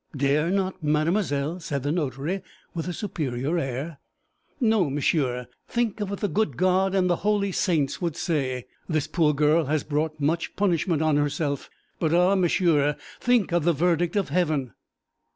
'Dare not, mademoiselle?' said the notary, with a superior air. 'No, monsieur. Think of what the good God and the holy saints would say! This poor girl has brought much punishment on herself, but ah, monsieur, think of the verdict of Heaven!'